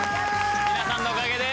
皆さんのおかげです。